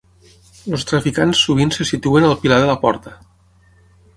Els traficants sovint se situen al pilar de la porta.